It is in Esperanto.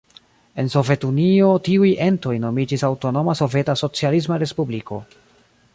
En Sovetunio tiuj entoj nomiĝis aŭtonoma soveta socialisma respubliko.